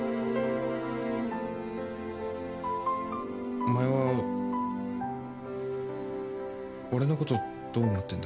お前は俺のことどう思ってんだ？